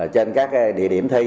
trên các địa điểm thi